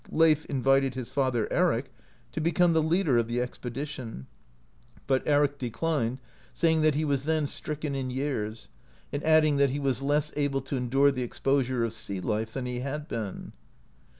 Leif invited his father, Eric, to beccMne the leader of the expedition, but Eric declined, saying that he was then stricken in years, and adding that he was less able to endure the ex posure of sea life than he had been.